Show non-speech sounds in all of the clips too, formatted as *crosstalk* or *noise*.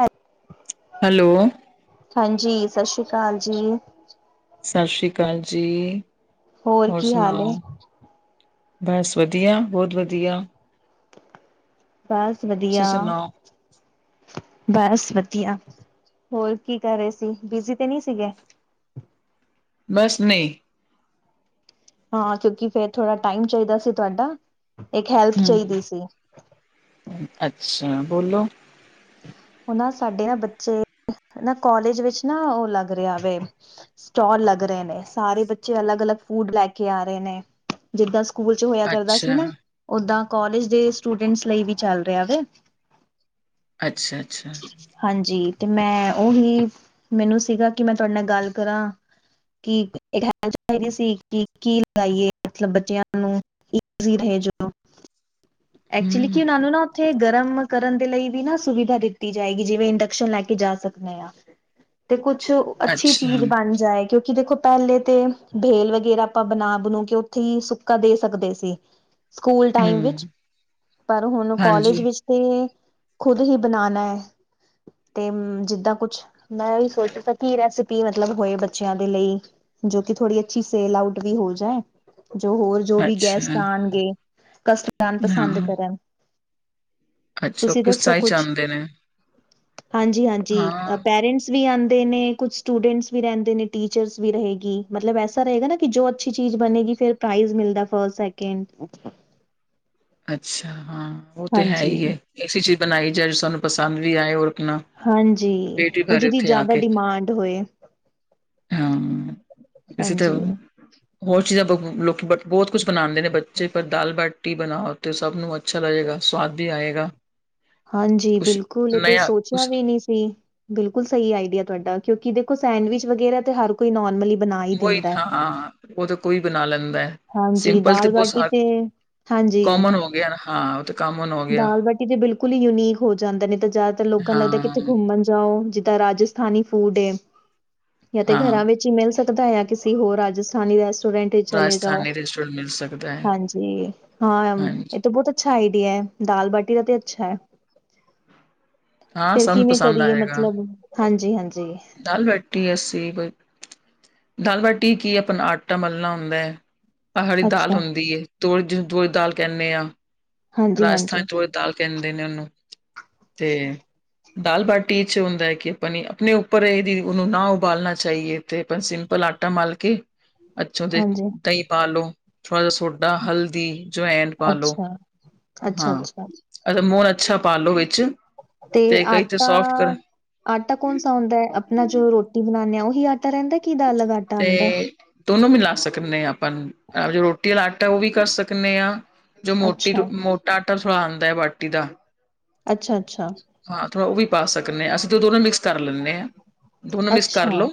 ਹਾਂ ਹੈਲੋ ਹਾਂਜੀ, ਸਤਿ ਸ੍ਰੀ ਅਕਾਲ ਜੀ ਸਤਿ ਸ਼੍ਰੀ ਅਕਾਲ ਜੀ, ਹੋਰ ਕੀ ਹਾਲ ਏ ਸੁਣਾਓ ਬਸ ਵਧੀਆ, ਬਹੁਤ ਵਧੀਆ ਬਸ ਤੁਸੀਂ ਵਧੀਆ। ਸੁਣਾਓ? ਬਸ ਵਧੀਆ, ਹੋਰ ਕੀ ਕਰ ਰਹੇ ਸੀ, ਬਿਜ਼ੀ ਤੇ ਨਹੀਂ ਸੀਗੇ। ਬਸ ਨਹੀਂ ਹਾਂ ਕਿਉਂਕਿ ਫਿਰ ਥੋੜ੍ਹਾ ਟਾਈਮ ਚਾਹੀਦਾ ਸੀ। ਤੁਹਾਡਾ ਇੱਕ ਹੈਲਪ ਹੂੰ, ਚਾਹੀਦੀ ਸੀ। ਅੱਛਾ ਬੋਲੋ ਉਹ ਨਾ ਸਾਡੇ ਨਾ ਬੱਚੇ, ਨਾ ਕੋਾਲਜ ਵਿੱਚ ਨਾ ਉਹ ਲੱਗ ਰਿਹਾ ਵ ਸਟੋਲ ਲੱਗ ਰਹੇ ਨੇ ਸਾਰੇ, ਬੱਚੇ ਅਲੱਗ ਅਲੱਗ ਫੂਡ ਲੈ ਕੇ ਆ ਰਹੇ ਨੇ। ਜਿੱਦਾਂ ਸਕੂਲ ਚ ਹੋਇਆ ਕਰਦਾ ਸੀ ਅੱਛਾ, ਨਾ ਓਦਾਂ ਕਾਲਜ ਦੇ ਸਟੂਡੈਂਟਸ ਲਈ ਵੀ ਚੱਲ ਰਿਹਾ। ਵ, ਅੱਛਾ ਅੱਛਾ, ਹਾਂਜੀ, ਤੇ ਮੈਂ ਉਹੀ ਮੈਨੂੰ ਸੀਗਾ, ਕਿ ਮੈਂ ਤੁਹਾਡੇ ਨਾਲ ਗੱਲ ਕਰਾਂ। ਕਿ ਇਹ ਚਾਹੀਦੀ ਸੀ, ਕਿ ਕੀ ਲਗਾਈਏ ਮਤਲਬ ਬੱਚਿਆਂ ਨੂੰ ਇਕ ਸੀਰ ਹੈ ਜੋ ਐਕਚੁਲੀ, ਹੂੰ, ਕਿ ਉਹਨਾਂ ਨੂੰ ਨਾ ਉੱਥੇ ਗਰਮ ਕਰਨ ਦੇ ਲਈ ਵੀ ਨਾ ਸੁਵਿਧਾ ਦਿੱਤੀ ਜਾਏਗੀ। ਜਿਵੇਂ ਇੰਡਕਸ਼ਨ ਲੈ ਕੇ ਜਾ ਸਕਦੇ ਆ। ਤੇ ਕੁਛ ਅੱਛੀ ਅੱਛਾ, ਚੀਜ਼ ਬਣ ਜਾਏ, ਕਿਉਂਕਿ ਕਿ ਦੇਖੋ ਪਹਿਲੇ ਤੇ ਬੇਲ ਵਗੈਰਾ ਆਪਾਂ ਬਣਾ ਬਣ ਕੇ ਉੱਥੇ ਹੀ ਸੁੱਕਾ ਦੇ ਸਕਦੇ ਸੀ। ਸਕੂਲ ਟਾਈਮ ਵਿਚ- ਹੂੰ। ਪਰ ਹੁਣ ਹਾਂਜੀ, ਕਾਲਜ ਵਿਚ ਤੇ ਖੁਦ ਹੀ ਬਣਾਣਾ ਹੈ। ਤੇ ਜਿਦਾ ਕੁਛ ਮੈਂ ਹੀ ਸੋਚਤਾ ਕੀ ਰੈਸਪੀ ਮਤਲਬ ਹੋਏ ਬੱਚਿਆਂ ਦੇ ਲਈ। ਜੋ ਕਿ ਥੋੜ੍ਹੀ ਅੱਛੀ ਸੇਲ ਆਊਟ ਵੀ ਹੋ ਜਾਏ। ਜੋ ਹੋਰ ਜੋ ਵੀ ਗੈਸਟ ਅੱਛਾ, ਆਉਣਗੇ ਕਸਟਡ ਨੂੰ ਪਸੰਦ ਹਾਂ। ਕਰਨ- ਅੱਛਾ ਉਹ ਕਿਸ ਤਰ੍ਹਾਂ ਚਾਹਦੇ ਨੇ- ਹਾਂਜੀ- ਹਾਂਜੀ ਹਾਂ, ਪੇਰੈਂਟਸ ਵੀ ਆਉਦੇ ਨੇ ਕੁਛ- ਸਟੂਡੈਂਟਸ ਵੀ ਰਹਿਦੇ ਨੇ ਟੀਚਰਸ ਵੀ ਰਹੇਗੀ। ਮਤਲਬ ਐਸਾ ਰਹੇਗਾ ਨਾ ਕਿ ਜੋ ਅਛੀ ਚੀਜ ਬਣੇਗੀ। ਫੇਰ- ਪ੍ਰਾਈਜ਼ ਮਿਲਦਾ ਫਸਟ ਸੈਕਿੰਡ- ਅੱਛਾ ਹਾਂ ਉਹ ਤੇ ਹੈ। ਹੀ ਹੈ। ਹਾਂਜੀ-ਹਾਂਜੀ ਐਸੀ ਚੀਜ ਬਣਾਈ ਜਾਏ ਜੋ ਸਾਨੂੰ ਪਸੰਦ ਵੀ ਆਏ ਔਰ ਕਿਨਾ- ਹਾਂਜੀ ਉਹ ਜਿਹਦੀ ਜ਼ਿਆਦਾ ਡਿਮਾਂਡ ਹੋਏ। ਹਾਂ ਇਸੇ ਹਾਂਜੀ-ਹਾਂਜੀ ਤਰ੍ਹਾਂ- ਹੋਰ ਚੀਜਾ ਬਹੁ ਲੋਕ ਬਹੁਤ ਕੁਛ ਬਣਾਉਦੇ ਨੇ ਬੱਚੇ ਪਰ ਦਾਲ ਬਾਟੀ ਬਣਾਓ- ਤੇ ਸਭ ਨੂੰ ਅੱਛਾ ਲੱਗੇਗਾ ਸੁਵਾਦ ਵੀ ਆਏਗਾ। ਹਾਂਜੀ ਕੁਛ ਬਿਲਕੁਲ ਇਹ ਤੇ ਨਯਾ ਸੋਚਿਆ ਕੁਛ ਵੀ ਨਹੀ ਸੀ। ਬਿਲਕੁਲ ਸਹੀ ਆਈਡੀਆ ਤੁਹਾਡਾ ਕਿਉਕਿ ਦੇਖੋ ਸੈਂਡਵਿਚ ਵਗੈਰਾ ਤੇ ਹਰ- ਕੋਈ ਨੋਰਮਲੀ ਬਣਾ- ਹੀ ਉਹੀ ਦਿੰਦਾ ਹਾਂ, ਉਹ ਤਾਂ ਕੋਈ ਬਣਾ ਲੈਂਦਾ ਹੈ। ਹਾਂਜੀ ਸਿੰਪਲ ਤੇ ਦਾਲ ਬਾਟੀ ਬਹੁਤ, ਤੇ ਹਾਂਜੀ ਕੋਮਨ ਹੋ ਗਿਆ ਹਾਂ ਉਹ- ਕਾਮਨ ਹੋ ਗਿਆ ਦਾਲ ਬਾਟੀ ਤੇ ਬਿਲਕੁਲ ਹੀ ਯੂਨੀਕ ਹੋ ਜਾਦਾ ਨੇ। ਜ਼ਿਆਦਾਤਰ ਲੋਕਾਂ ਨੂੰ ਲੱਗਦਾ ਕਿਥੇ ਹਾਂ ਘੁੰਮਣ ਜਾਓ ਜਿਦਾਂ ਰਾਜਸ- ਥਾਨੀ ਫੂਡ ਜਾਂ ਤੇ ਹਾਂ ਘਰਾਂ ਵਿਚ ਹੀ ਮਿਲ ਸਕਦਾ ਆ ਕਿਸੇ ਹੋਰ ਰਾਜਸਥਾਨੀ ਰੈਸਟੋਰੈਂਟ- ਚਲੇ ਜਾਓ ਰਾਜਸਥਾਨੀ ਰੈਸਟੋਰੈਂਟ ਮਿਲ ਸਕਦਾ ਹੈ ਹਾਂਜੀ ਹਾਂ ਹਾਂਜੀ ਇਥੇ ਬਹੁਤ- ਅੱਛਾ ਆਈਡੀਆ ਹੈ। ਦਾਲ ਬਾਟੀ ਦਾ ਤੇ ਅੱਛਾ ਹੈ। ਹਾਂ ਫੇਰ ਸਭ ਨੂੰ ਕਿਵੇ ਪਸੰਦ ਕਰੀਏ ਆਏਗਾ ਮਤਲਬ, ਹਾਂਜੀ-ਹਾਂਜੀ। ਦਾਲ ਬਾਠੀ ਅਸੀ ਕੋਈ- ਦਾਲ ਬਾਟੀ ਕੀ ਆਪਣਾ ਆਟਾ ਮਲਣਾ ਹੁੰਦਾ। ਪਹਾੜੀ ਦਾਲ ਅੱਛਾ ਹੁੰਦੀ ਏ, ਤੂਰ ਦਾਲ ਕਹਿੰਨੇ ਆ। ਹਾਂਜੀ ਰਾਜਸਥਾਨ ਹਾਂਜੀ ਤੂਰ ਦਾਲ ਕਹਿੰਦੇ ਨੇ ਉਹਨੂੰ, ਤੇ- ਦਾਲ ਬਾਟੀ 'ਚ ਇਹ ਹੁੰਦਾ ਕਿ ਆਪਾਂਣੀ ਆਪਣੇ ਉਪਰ ਇਹਦੀ ਉਹਨੂੰ ਨਾ ਉਬਾਲਣਾ ਚਾਹੀਏ- ਤੇ ਆਪਾਂ ਸਿੰਪਲ ਆਟਾ ਮਲਕੇ- ਅਛੋਂ ਦੇ, ਹਾਂਜੀ ਦਹੀ ਪਾ ਲਉ, ਥੋੜਾ ਜਾ ਸੋਡਾ, ਹਲਦੀ, ਜੋਵੈਣ ਅੱਛਾ ਅੱਛਾ ਅੱਛਾ ਹਾਂ, ਦਾ ਮੋਹਨ ਅੱਛਾ ਪਾ ਲੋ ਵਿੱਚ। ਤੇ ਕਈ ਸੋਫਟ ਕਰ ਆਟਾ- ਆਟਾ ਕੌਣ ਸਾ ਹੁੰਦਾ ਏ ਆਪਣਾ ਜੋ ਰੋਟੀ ਬਣਾਨੇ ਆ ਉਹੀ ਆਟਾ ਰਹਿੰਦਾ- ਕਿ ਦਾਲ ਵਾਲਾ ਆਟਾ ਆਉਂਦਾ ਤੇ- ਦੋਨੋਂ ਮਿਲਾ ਸਕਨੇ ਆ ਆਪਾਂ ਜੋ ਰੋਟੀ ਵਾਲਾ ਆਟਾ ਉਹ ਵੀ ਕਰ ਸਕਨੇ ਆ। ਜੋ ਹੈ। ਮੋਟੀ ਅੱਛਾ ਮੋਟਾ ਆਟਾ ਸਲਾਉਦਾ ਹੈ ਬਾਟੀ ਦਾ। ਅੱਛਾ-ਅੱਛਾ। ਹਾਂ ਥੋੜਾ ਉਹ ਵੀ ਪਾ ਸਕਨੇ ਆ ਹਾਂ ਅਸੀਂ ਤੇ ਦੋਨੋ ਮਿਕਸ ਕਰ ਲੈਂਨੇ ਆ, ਦੋਨੋ ਮਿਕਸ ਅੱਛਾ ਕਰਲੋ।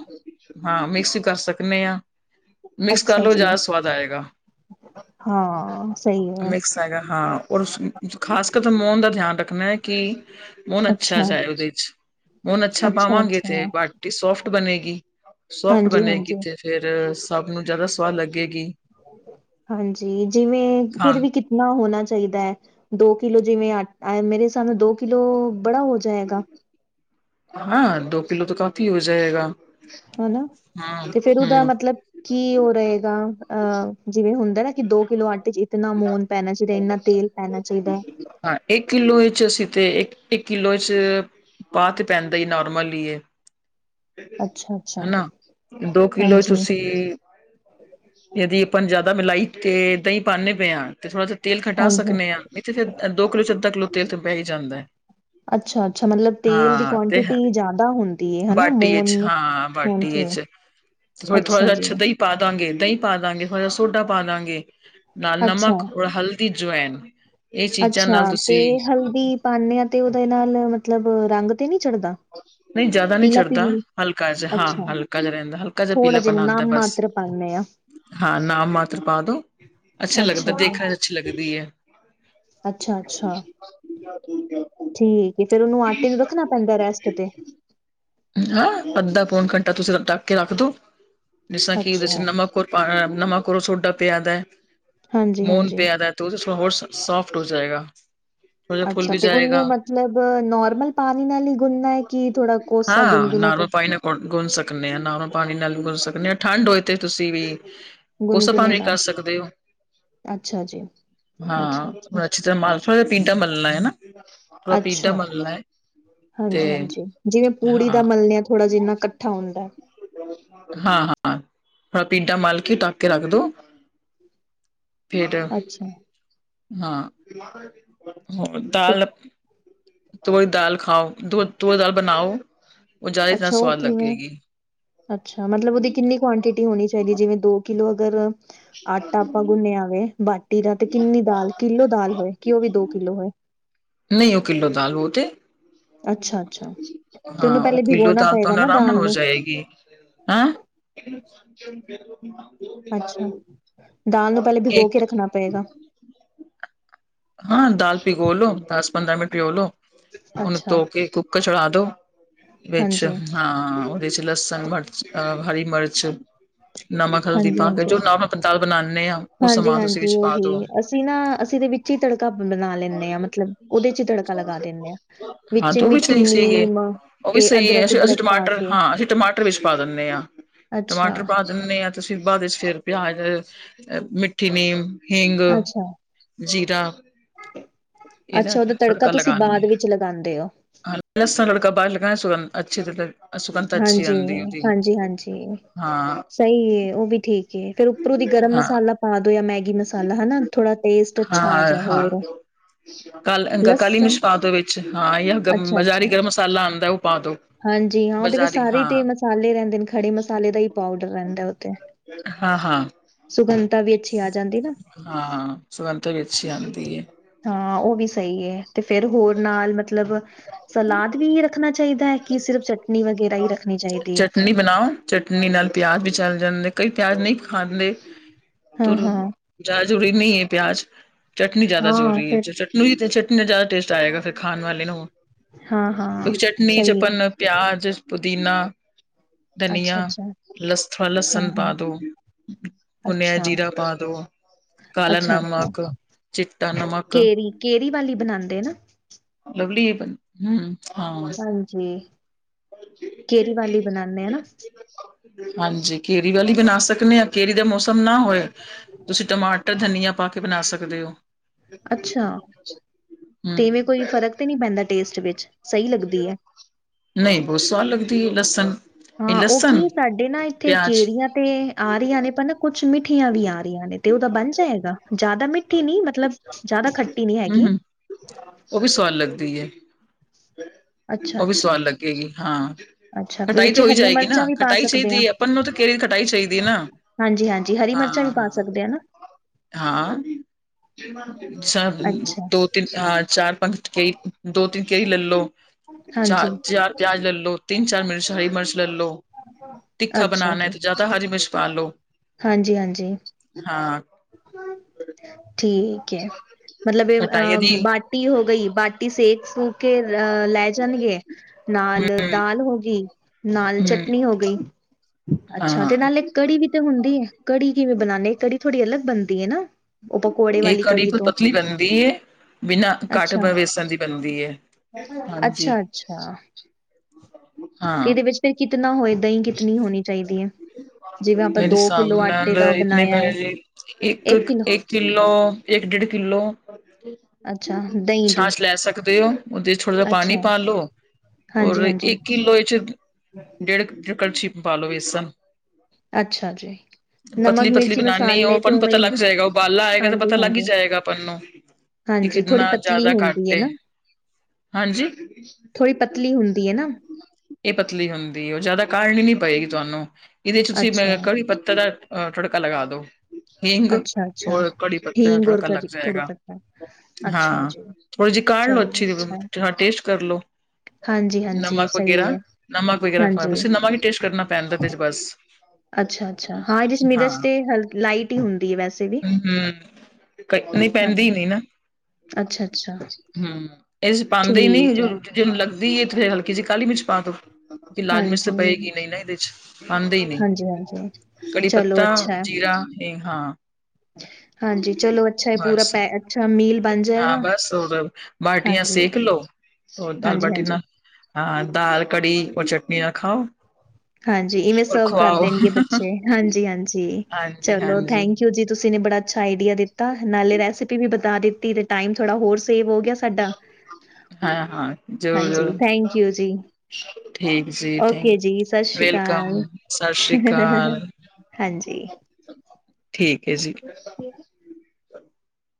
ਹਾਂ ਮਿਕਸ ਕਰ ਸਕਨੇ ਆ। ਮਿਕਸ ਕਰ ਅੱਛਾ ਲੋ ਜੀ ਜ਼ਿਆਦਾ ਸਵਾਦ ਆਏਗਾ। ਹਾਂ ਸਹੀ ਹੈ ਮਿਕਸ- ਪਏਗਾ ਹਾਂ ਔਰ ਖਾਸ ਕਰਕੇ ਮੋਨ ਦਾ ਧਿਆਨ ਰੱਖਣਾ ਕਿ, ਮੋਨ ਅੱਛਾ ਜਾਏ ਉਹਦੇ 'ਚ। ਮੋਨ ਅਛਾ ਅੱਛਾ ਪਾਵਾਂਗੇ ਅੱਛਾ ਤੇ ਬਾਟੀ ਸੋਫਟ ਬਣੇਗੀ, ਸੋਫਟ ਹਾਂਜੀ ਬਣੇਗੀ ਹਾਂਜੀ ਤੇੇ- ਫੇਰ ਸਭ ਨੂੰ ਜਿਆਦਾ ਸਵਾਦ ਲੱਗੇਗੀ। ਹਾਂਜੀ ਜਿਵੇ ਹਾਂ ਫਿਰ ਵੀ ਕਿਤਨਾ ਹੋਣਾ ਚਾਹੀਦਾ? ਦੋ ਕਿਲੋ ਜਿਵੇ ਮੇਰੇ ਹਿਸਾਬ ਨਾਲ ਦੋ ਕਿਲੋ ਬੜਾ ਹੋ ਜਾਏਗਾ। ਹਾਂ ਦੋ ਕਿਲੋ ਤੋਂ ਕਾਫ਼ੀ ਹੋ ਜਾਏਗਾ। ਹਨਾ, ਤੇ ਹੂੰ ਫੇਰ ਉਹਦਾ ਹੂੰ ਮਤਲਬ ਕੀ ਉਹ ਰਹੇਗਾ ਅਹ ਜਿਵੇ ਹੁੰਦਾ ਨਾ- ਕਿ ਦੋ ਕਿੱਲੋ ਆਟੇ ਚ ਇਤਨਾ ਮੋਨ ਪੈਣਾ ਚਾਹੀਦਾ ਇੰਨਾ ਤੇਲ ਪੈਣਾ ਚਾਹੀਦਾ। ਹਾਂ ਇੱਕ ਕਿਲੋ ਵਿੱਚ ਅਸੀ ਤੇ ਇੱਕ ਕਿਲੋ 'ਚ ਪਾ ਤੇ ਪੈਂਦਾ ਈ ਨੋਰਮਲ ਈ ਏ। ਅੱਛਾ ਅੱਛਾ ਹਨਾ, ਦੋ ਕਿਲੋ 'ਚ ਹਾਂਜੀ ਤੁਸੀਂ ਯਦੀ ਆਪਾਂ ਜਿਆਦਾ ਮਿਲਾਈ ਤੇ ਦਹੀਂ ਪਾਨੇ ਪਏ ਆ ਤੇ ਥੋੜ੍ਹਾ ਜਾ ਤੇਲ ਖਟਾ ਹਾਂਜੀ ਸਕਨੇ ਆ। ਨਹੀਂ ਤੇ ਫਿਰ ਦੋ ਕਿੱਲੋ 'ਚ ਅੱਧਾ ਕਿੱਲੋ ਤੇਲ ਤੇ ਪੈ ਹੀ ਜਾਂਦਾ। ਅੱਛਾ-ਅੱਛਾ ਮਤਲਬ ਤੇਲ ਦੀ ਹਾਂ ਤੇ ਹੈ ਕੁਆਂਟਿਟੀ ਜ਼ਿਆਦਾ ਹੁੰਦੀ ਹਨਾ ਮੋਨ ਪਾਰਟੀਏ ਹਾਂਜੀ ਚ, ਤੇ ਥੋੜਾ ਜਾ ਅੱਛਾ ਦਹੀਂ ਪਾ ਦਾਂਗੇ ਦਹੀਂ ਪਾ ਦਾਂਗੇ ਥੋੜਾ ਜਿਹਾ ਸੋਡਾ ਪਾ ਦਾਂਗੇ, ਨਾਲ ਅੱਛਾ ਨਮਕ ਔਰ ਹਲ ਦੀ ਜੁਆਇਨ ਅੱਛਾ ਤੇ ਹਲਦੀ ਪਾਨੇ ਆ ਤੇ ਉਹਦੇ ਨਾਲ ਮਤਲਬ ਰੰਗ ਤੇ ਨੀ ਚੜਦਾ? ਨਹੀਂ ਜਿਆਦਾ ਨਹੀਂ ਚੜ੍ਹਦਾ ਹਲਕਾ ਜਿਹਾ ਹਾਂ ਅੱਛਾ ਹਲਕਾ ਜਿਹਾ ਰਹਿੰਦਾ ਹਲਕਾ ਜਿਹਾ ਥੋੜਾ ਪੀਲਾਪਣਾ ਆਂਦਾ। ਨਾਮ ਬਸ ਮਾਤਰ ਪਾਨੇ ਆ। ਹਾਂ ਨਾ ਮਾਤਰ ਪਾ ਦੋ, ਅੱਛਾ ਲੱਗਦਾ ਦੇਖਣ 'ਚ ਅੱਛੀ ਲੱਗਦੀ ਏ। ਅੱਛਾ-ਅੱਛਾ, ਠੀਕ ਏ ਫੇਰ ਉਹਨੂੰ ਆਟੇ ਨੂੰ ਰੱਖਣਾ ਪੈਂਦਾ ਰੈਸਟ ਤੇ। ਹਾਂ ਅੱਧਾ ਪੌਨ ਘੰਟਾ ਤੁਸੀਂ ਡੱਕ ਕੇ ਰੱਖਦੋ। ਜਿਸ ਤਾਂ ਕਿ ਉਹਦੇ 'ਚ ਅੱਛਾ। ਨਮਕ ਔਰ ਨਮਕ ਔਰ ਸੋਡਾ ਪਿਆ ਦਾ, ਹਾਂਜੀ ਮੂਨ ਹਾਂਜੀ। ਪਿਆ ਦਾ। ਤੇ ਉਹ ਤੇ ਥੋੜਾ ਹੋਰ ਸੋਫਟ ਹੋ ਜਾਏਗਾ। ਥੋੜਾ ਜਿਹਾ ਫੁੱਲ ਅੱਛਾ ਵੀ ਤੇ ਜਾਏਗਾ ਉਹਨੂੰ ਮਤਲਬ ਨੋਰਮਲ ਪਾਣੀ ਨਾਲ ਹੀ ਗੁਨਣਾ ਹੈ ਕਿ ਥੋੜਾ ਕੋਸਾ ਹਾਂ ਗੁਣਗੁਣਾ ਤੇ ਨਾਰਮਲ ਪਾਣੀ ਨਾਲ ਗੁੰਨ ਸਕਦੇ ਆ ਨੋਮਲ ਪਾਣੀ ਨਾਲ ਵੀ ਗੁੰਨ ਸਕਦੇ ਹਾਂ ਠੰਢ ਹੋਏ ਤੇ ਤੁਸੀਂ ਵੀ ਕੋਸਾ ਗੁਨਗੁਨੇ ਪਾਵੇਂ ਕਰ ਨਾਲ ਸਕਦੇ ਹੋ ਅੱਛਾ ਜੀ ਅੱਛਾ ਅੱਛਾ। ਹਾਂ ਅੱਛੀ ਤਰ੍ਹਾਂ ਮਲ ਪੀਟਾ ਮਲ ਲ ਹੈ ਨਾ ਮਾੜਾ ਪੀਟਾ ਅੱਛਾ ਮਲ ਹਾਂਜੀ ਹਾਂਜੀ ਜਿਵੇਂ ਪੂੜੀ ਹਾਂ ਦਾ ਮਲ ਨੇ ਥੋੜ੍ਹਾ ਜਿਆ ਇਕੱਠਾ ਹੁੰਦਾ ਹਾਂ ਹਾਂ ਪੀਡਾ ਮਲ ਕੇ ਢੱਕ ਕੇ ਰੱਖ ਦੋ ਹ ਫੇਰ ਹਾਂ ਹੋ ਤੇ ਦਾਲ ਤੋ ਦੀ ਦਾਲ ਖਾਓ ਦ ਤੋ ਦਾਲ ਬਣਾਓ ਉਹ ਜ਼ਿਆਦਾ ਹੀ ਜ਼ਿਆਦਾ ਅੱਛਾ ਉਹ ਸਵਾਦ ਕਿਵੇਂ? ਲੱਗੇਗੀ ਅੱਛਾ ਮਤਲਬ ਉਹਦੀ ਕਿੰਨੀ ਕੁਆਂਟਿਟੀ ਹੋਣੀ ਚਾਹੀਦੀ ਜਿਵੇਂ ਦੋ ਕਿਲੋ ਅਗਰ ਆਟਾ ਆਪਾਂ ਗੁੰਨਿਆ ਵੇ ਬਾਟੀ ਦਾ ਤੇ ਕਿੰਨੀ ਦਾਲ ਕਿੱਲੋ ਦਾਲ ਹੋਏ ਕਿ ਉਹ ਵੀ ਦੋ ਕਿੱਲੋ ਹੋਏ ਨਹੀਂ ਉਹ ਕਿੱਲੋ ਦਾਲ ਬਹੁ ਤੇ ਅੱਛਾ ਅੱਛਾ ਤੇ ਹਾਂ ਉਹਨੂੰ ਉਹ ਪਹਿਲੇ ਕਿਲੋ ਭਿਗੋਣਾ ਦਾਲ ਤਾਂ ਉਹ ਪਏਗਾ ਨੂੰ ਆਰਾਮ ਨਾ ਦਾਲ ਹੋ ਨੂੰ ਜਾਏਗੀ ਹੈਂ ਅੱਛਾ ਦਾਲ ਨੂੰ ਪਹਿਲੇ ਭਿਗੋ ਕੇ ਇੱਕ ਰੱਖਣਾ ਪਏਗਾ ਹਾਂ ਦਾਲ ਭਿਗੋ ਲੋ ਦਸ ਪੰਦਰਾਂ ਮਿੰਟ ਭਿਗੋ ਲੋ ਉਹਨੂੰ ਅੱਛਾ ਧੋ ਕੇ ਕੁੱਕਰ ਚਲਾ ਦੋ ਵਿੱਚ ਹਾਂਜੀ ਹਾਂ ਉਹਦੇ ਚ ਲਸਨ, ਮਿਰਚ ਅਹ ਹਰੀ ਮਿਰਚ ਨਮਕ ਹਲਦੀ ਹਾਂਜੀ ਪਾ ਕੇ ਹਾਂਜੀ ਜੋ ਨੋਰਮਲ ਦਾਲ ਬਣਾਉਂਦੇ ਆ ਉਹ ਹਾਂਜੀ ਸਮਾਨ ਤੁਸੀਂ ਹਾਂਜੀ ਵਿੱਚ ਪਾ ਉਹੀ ਦੋ ਅਸੀਂ ਨਾ ਅਸੀਂ ਦੇ ਵਿੱਚ ਹੀ ਤੜਕਾ ਬਣਾ ਲੈਂਦੇ ਹਾਂ। ਮਤਲਬ ਉਹਦੇ ਚ ਤੜਕਾ ਲਗਾ ਦਿੰਦੇ ਹਾਂ, ਹਾਂ ਵਿੱਚ ਤੇ ਉਹ ਵੀ ਮਿੱਠੀ ਸਹੀ ਸੀਗੇ ਨੀਮ ਉਹ ਵੀ ਤੇ ਸਹੀ ਹੈ ਅਦਰਕ ਅਂ ਅਸੀਂ ਉਦਰਕ ਪਾ ਟਮਾਟਰ ਕੇ ਹਾਂ ਅਸੀਂ ਟਮਾਟਰ ਵਿੱਚ ਪਾ ਦਿੰਦੇ ਹਾਂ ਟਮਾਟਰ ਅੱਛਾ ਪਾ ਦਿੰਦੇ ਹਾਂ ਤੁਸੀਂ ਬਾਅਦ ਵਿੱਚ ਫਿਰ ਪਿਆਜ ਮਿੱਠੀ ਨੀਮ ਹਿੰਗ ਅੱਛਾ ਜੀਰਾ ਇਹਦਾ ਅੱਛਾ ਉਹਦਾ ਤੜਕਾ ਤੁਸੀਂ ਲਗਾਂਦੇ ਬਾਅਦ ਵਿੱਚ ਲਗਾਉਂਦੇ ਹੋ ਹਾਂ ਲਸਣ ਤੜਕਾ ਬਾਹਰ ਅੱਛੀ ਤ ਹਾਂਜੀ ਹਾਂਜੀ ਹਾਂਜੀ ਹਾਂ ਸਹੀ ਏ ਉਹ ਵੀ ਠੀਕ ਏ ਫੇਰ ਉੱਪਰੋਂ ਦੀ ਗਰਮ ਹਾਂ ਮਸਾਲਾ ਪਾ ਦੋ ਜਾਂ ਮੈਗੀ ਮਸਾਲਾ ਹਨਾ ਥੋੜਾ ਟੇਸਟ ਅੱਛਾ ਆ ਜਾਏ ਹੋਰ ਕ ਕਾਲੀ ਲਸਣ ਮਿਰਚ ਪਾ ਦੋ ਵਿੱਚ ਹਾਂ ਜਾਂ ਗਰਮ ਅੱਛਾ-ਅੱਛਾ ਬਜ਼ਾਰੀ ਗਰਮ ਮਸਾਲਾ ਆਉਂਦਾ ਉਹ ਪਾ ਦੋ ਹਾਂਜੀ ਹਾਂ ਉਹਦੇ ਵਿੱਚ ਬਜ਼ਾਰੀ ਸਾਰੇ ਹਾਂ ਦੇ ਮਸਾਲੇ ਰਹਿੰਦੇ ਨੇ, ਖੜੇ ਮਸਾਲੇ ਦਾ ਹੀ ਪਾਊਡਰ ਰਹਿੰਦਾ ਉਥੇ ਹਾਂ ਹਾਂ 'ਸਗੁੰਨਤਾ' ਵੀ ਅੱਛੀ ਆ ਜਾਂਦੀ ਨਾ। ਹਾਂ! ਸੁਗੰਤਾ ਵੀ ਅੱਛੀ ਆਂਦੀ ਏ। ਹਾਂ! ਉਹ ਵੀ ਸਹੀ ਏ। ਤੇ, ਫੇਰ ਹੋਰ ਨਾਲ ਮਤਲਬ ਸਲਾਦ ਵੀ ਐਹ ਰੱਖਣਾ ਚਾਹੀਦਾ ਹੈ। ਕਿ, ਸਿਰਫ ਚਟਨੀ ਵਗੈਰਾ ਹੀ ਰੱਖਣੀ ਚਾਹੀਦੀ ਐ। ਚਟਨੀ ਬਣਾਓ ਚਟਨੀ ਨਾਲ ਪਿਆਜ ਵੀ ਚਲ ਜਾਂਦੇ। ਕਈ ਪਿਆਜ ਨਹੀਂ ਖਾਂਦੇ। ਤੁਰ ਹਾਂ-ਹਾਂ, ਜ਼ਿਆਦਾ ਜ਼ਰੂਰੀ ਨਹੀਂ ਐ ਪਿਆਜ। ਚਟਨੀ ਜ਼ਿਆਦਾ ਹਾਂ ਹਾਂ ਜ਼ਰੂਰੀ ਹੈ। ਫਿਰ ਚ ਚਟ ਨੁਹੀ ਤੇ ਚਟਨੀ ਦਾ ਜ਼ਿਆਦਾ ਟੇਸਟ ਆਏਗਾ, ਫਿਰ ਖਾਣ ਵਾਲੇ ਨੂੰ। ਕਿਉਕਿ! ਹਾਂ-ਹਾਂ ਚਟਨੀ ਸਹੀ ਹੈ ਚਪਨ ਪਿਆਜ, ਪੁਦੀਨਾ। ਅੱਛਾ! ਅੱਛਾ! ਲਸਾ ਲਸਣ ਪਾ ਦੋ। ਭੁੰਨਿਆ ਹੋਏ ਅੱਛਾ, ਜੀਰਾ ਪਾ ਦੋ। ਕਾਲਾ ਅੱਛਾ-ਅੱਛਾ ਨਮਕ, ਚਿੱਟਾ ਨਮਕ। ਕੇੜੀ ਵਾਲੀ ਬਨਾਦੇ ਨਾ। ਲਵਲੀ ਏ। ਹੂੰ! ਹਾ। ਹਾਂਜੀ! ਕੇੜੀ, ਵਾਲੀ ਬਣਾਨੇ ਹਨਾਂ। ਹਾਂਜੀ! ਕੇਰੀ ਵਾਲੀ ਬਣਾ ਸਕਨੇ ਆ। ਕੇਰੀ ਦਾ ਮੌਸਮ ਨਾ ਹੋਏ। ਤੁਸੀਂ ਟਮਾਟਰ, ਧਨੀਆਂ ਪਾ ਕੇ ਬਣਾ ਸਕਦੇ ਔ। ਅੱਛਾ! ਹੂੰ ਤੇ, ਇਵੇਂ ਕੋਈ ਫ਼ਰਕ ਤੇ ਨੀ ਪੈਂਦਾ ਟੇਸਟ ਵਿੱਚ। ਸਹੀ ਲੱਗਦੀ ਏ। ਨਹੀਂ! ਬਹੁ ਸਵਾਦ ਲੱਗਦੀ ਏ ਲਸਣ। ਇਹ ਹਾਂ! ਉਹ ਲਸਣ ਕੀ ਐ। ਸਾਡੇ ਨਾ ਇੱਥੇ ਪਿਆਜ ਕੇਰੀਆਂ ਤੇ ਆ ਰੀਆ ਨੇ, ਪਰ! ਨਾ ਕੁਛ ਮਿੱਠੀਆਂ ਵੀ ਆ ਰੀਆ ਨੇ। ਤੇ ਉਹਦਾ ਬਣ ਜਾਏਗਾ। ਜ਼ਿਆਦਾ ਮਿੱਠੀ ਨੀ ਮਤਲਬ, ਜ਼ਿਆਦਾ ਖੱਟੀ ਨੀ ਹੂੰ ਹੈਗੀ। ਹੂੰ ਉਹ ਵੀ ਸੂਆਦ ਲੱਗਦੀ ਐ। ਅੱਛਾ, ਉਹ ਵੀ ਅੱਛਾ। ਸੁਵਾਦ ਲੱਗੇਗੀ। ਹਾਂ! ਅੱਛਾ, ਖਟਾਈ ਤੇ ਵਿੱਚ ਹੋ ਹੀ ਹਰੀਆਂ ਜਾਏਗੀ ਨਾ। ਮਿਰਚਾਂ ਵੀ ਪਾ ਖਟਾਈ ਸਕਦੇ ਆ? ਚਾਹੀਦੀ ਹੈ। ਆਪਨ ਨੂੰ ਤਾਂ, ਕੇਰੀ ਖਟਾਈ ਚਾਹੀਦੀ ਏ ਨਾ। ਹਾਂਜੀ! ਹਾਂਜੀ! ਹਰੀ ਹਾਂ ਮਿਰਚਾਂ ਵੀ ਪਾ ਹਾਂ ਸਕਦੇ, ਆ ਨਾ। ਹਾਂ! ਸਭ ਅੱਛਾ, ਦੋ ਤਿੰਨ! ਹਾਂ! ਚਾਰ-ਪੰਜ ਕੇਇ। ਦੋ- ਤਿੰਨ ਕੇਰੀ ਲੈਅ ਲੋ। ਚਾਰ ਹਾਂਜੀ। ਚਾਰ, ਚਾਰ ਪਿਆਜ ਲੈਅ ਲੋ। ਤਿੰਨ- ਚਾਰ ਮਿਰਚ ਹਰੀ ਮਿਰਚ ਲੈ ਲੋ। ਤਿੱਖਾ ਅੱਛਾ ਬਣਾਣਾ ਹੈ। ਜੀ, ਤੇ, ਜ਼ਿਆਦਾ ਹਰੀ ਮਿਰਚ ਪਾ ਲੋ। ਹਾਂਜੀ! ਹਾਂਜੀ! ਹਾਂ ਠੀਕ। ਐ। ਮਤਲਬ! ਏਹ ਖਟਾਈ ਅ ਬ ਦੀ ਬਾਟੀ ਹੋ ਗਈ। ਬਾਟ ਟੀ ਸੇਕ ਸੂਕ ਕੇਅਰ ਲੈ ਜਾਣਗੇ। ਹੂੰ ਨਾਲ, ਦਾਲ ਹੋ ਗੀ। ਨਾਲ ਹੂੰ ਚਟਨੀ ਹੋ ਗਈ। ਅੱਛਾ! ਤੇ, ਹਾਂ ਨਾਲੇ ਕੜੀ ਵੀ ਤੇ ਹੁੰਦੀ ਐ। ਕੜੀ, ਕਿਵੇਂ ਬਣਾਨੇ। ਕੜੀ ਥੋੜੀ ਅਲੱਗ ਬਣਦੀ ਐ ਨਾ? ਉਹ ਪਕੌੜੇ ਇਹ ਵਾਲੀ ਕੜੀ ਤੋਂ ਪਤਲੀ ਬਣਦੀ ਐ। ਬਿਨਾਂ ਅੱਛਾ ਕਾਠਬ ਵੇਸਣ ਦੀ ਬਣਦੀ ਐ। ਹਾਂਜੀ! ਅੱਛਾ ਅੱਛਾ ਤੇ ਹਾਂ! ਇਹਦੇ ਵਿੱਚ ਫਿਰ ਕਿਤਨਾ ਹੋਏ? ਦਹੀਂ ਕਿਤਨੀ ਹੋਣੀ ਚਾਹੀਦੀ ਐ? ਜਿਵੇਂ, ਆਪ *unintelligible* *unintelligible* ਕਿੱਲੋ। ਇੱਕ ਕਿੱਲੋ ਇੱਕ-ਡੇਢ ਕਿੱਲੋ। ਅੱਛਾ ਦਹੀਂ ਦੀ ਛਾਂਛ ਲੈ ਸਕਦੇ ਔ। ਓਹਦੇ'ਚ ਥੋੜਾ ਜਾ ਪਾਣੀ ਅੱਛਾ ਪਾ ਲਓ। ਔਰ ਹਾਂਜੀ ਹਾਂਜੀ ਇੱਕ ਕਿੱਲੋ ਇਹਦੇ 'ਚ ਡੇਢ ਕ ਅ ਕਰਸ਼ੀ ਪਾ ਲੋ ਵੇਸਣ। ਅੱਛਾ ਜੀ! ਨਮਕ ਪਤਲੀ ਪਤਲੀ ਮਿਰਚੀ ਬਣਾਨੀ। ਉਹ ਮਸਾਲੇ ਆਪਾਂ ਤੇ ਨੂੰ ਉਵੇਂ ਪਤਾ ਹੀ ਲੱਗ ਜਾਏਗਾ। ਉਬਾਲਾ ਆਏਗਾ। ਤੇ, ਪਤਾ ਹਾਂਜੀ ਲੱਗ ਹਾਂਜੀ ਹੀ ਜਾਏਗਾ। ਆਪਨ ਨੂੰ। ਕੀ! ਹਾਂਜੀ, ਥੋੜ੍ਹੀ ਕਿਤਨਾ ਪਤਲੀ ਜ਼ਿਆਦਾ ਹੁੰਦੀ ਘੱਟ ਹੈ ਏ। ਨਾ, ਹਾਂਜੀ! ਥੋੜ੍ਹੀ ਪਤਲੀ ਹੁੰਦੀ ਹੈ ਨਾ, ਇਹ ਪਤਲੀ ਹੁੰਦੀ ਔ। ਉਹ ਜ਼ਿਆਦਾ ਕਾੜ੍ਹਨੀ ਨੀ ਪਏਗੀ ਤੁਹਾਨੂੰ। ਇਹਦੇ 'ਚ ਤੁਸੀਂ ਮੈ ਅੱਛਾ। ਕੜੀ ਪੱਤਾਂ ਦਾ ਅ ਤੁੜਕਾ ਲਗਾ ਦੋ। ਹਿੰਗ ਅੱਛਾ-ਅੱਛਾ, ਔਰ ਕੜੀ ਪੱਤਾ ਹੀਂਗ ਔਰ ਤੜਕਾ ਲੱਗ ਕਰੀ ਕੜੀ ਜਾਏਗਾ। ਪੱਤਾ, ਅੱਛਾ ਹਾਂ! ਜੀ, ਥੋੜੀ ਜਹੀ ਕਾਢ ਲੌ ਚਲਿਏ ਅੱਛੀ ਜ਼ਵੇ। ਅੱਛਾ। ਹਾਂ! ਟੇਸਟ ਕਰ ਲੋ। ਹਾਂਜੀ-ਹਾਂਜੀ, ਨਮਕ ਸਹੀ ਵਗੈਰਾ, ਹੈ, ਨਮਕ ਵਗੈਰਾ ਫਾ। ਹਾਂਜੀ। ਤੁਸੀ ਨਮਕ ਹੀ ਟੇਸਟ ਕਰਨਾ। ਪੈਣ ਤਤੇ 'ਚ ਬਸ। ਅੱਛਾ ਅੱਛਾ ਹਾਂ ਇਹਦੇ ਚ ਮਿਰਚ ਤੇ ਹਲ ਲਾਈਟ ਹੀ ਹੁੰਦੀ ਹੈ ਵੈਸੇ ਵੀ ਹੂੰ ਹੂੰ ਹਾ ਅੱਛਾ ਅੱਛਾ ਹੂੰ ਇਹ ਚ ਪਾਉਂਦੇ ਹੀ ਨੀ ਰੋਟੀ ਜਿਹਨੂੰ ਲੱਗਦੀ ਫਿਰ ਹਲਕੀ ਜਹੀ ਕਾਲੀ ਮਿਰਚ ਪਾ ਦੋ ਕਿ ਲਾਲ ਮਿਰਚ ਤਾਂ ਹਾਂਜੀ, ਪਏਗੀ ਨਹੀਂ ਨਾ ਇਹਦੇ ਚ ਖਾਂਦੇ ਹੀ ਨਹੀਂ ਹਾਂਜੀ-ਹਾਂਜੀ। ਕੜੀ ਚਲੋ ਪੱਤਾ ਜੀ ਹਾਂ ਹ ਹਾਂਜੀ, ਚਲੋ ਅੱਛਾ ਪੂਰਾ ਬਸ ਪੈ ਅੱਛਾ ਮੀਲ ਬਣ ਹਾਂ ਜਾਏਗਾ। ਬਸ ਹੋਰ ਬਾਟੀਆਂ ਹਾਂਜੀ। ਸੇਕ ਲੋ ਦਾਲ ਬਾਟੀ ਹਾਂਜੀ-ਹਾਂਜੀ। ਨਾਲ ਹ ਦਾਲ ਕੜੀ ਔਰ ਚਟਨੀਆ ਖਾਓ ਹਾਂਜੀ ਇਵੇਂ ਔਰ ਸਰਵ ਕਰ ਖਵਾਓ। ਦੇਣਗੇ ਬੱਚੇ ਹਾਂਜੀ ਹਾਂਜੀ ਚਲੋ ਹਾਂਜੀ-ਹਾਂਜੀ ਥੈਂਕ ਯੂ ਜੀ ਤੁਸੀਂ ਨੇ ਬੜਾ ਅੱਛਾ ਆਈਡੀਆ ਦਿੱਤਾ ਨਾਲੇ ਰੈਸਪੀ ਵੀ ਬਤਾ ਦਿੱਤੀ ਤੇ ਟਾਈਮ ਥੋੜਾ ਹੋਰ ਸੇਵ ਹੋ ਗਿਆ ਸਾਡਾ ਹਾਂ ਹਾਂ ਜ਼ਰੂਰ ਹਾਂਜੀ ਜ਼ਰੂਰ ਥੈਂਕ ਯੂ ਜੀ। ਠੀਕ ਜੀ ਥੈਂਕ ਓਕੇ ਜੀ, ਸਤਿ ਯੂ ਸ਼੍ਰੀ ਅਕਾਲ, ਵੈਲਕਮ ਸਤਿ ਸ੍ਰੀ ਅਕਾਲ ਹਾਂਜੀ। ਠੀਕ ਹੈ ਜੀ